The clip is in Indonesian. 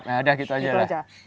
nah udah gitu aja lah